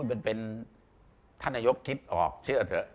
อู้ยเป็นประศนาโยคคิดออกเชื่อเถอะ